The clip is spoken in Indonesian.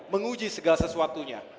menguji segala sesuatunya